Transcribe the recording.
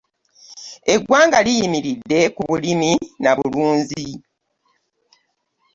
Eggwanga liyimiridde ku bulimi na bulunzi.